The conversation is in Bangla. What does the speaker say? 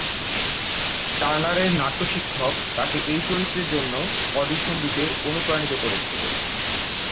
টার্নারের নাট্য শিক্ষক তাকে এই চরিত্রের জন্য অডিশন দিতে অনুপ্রাণিত করেছিল।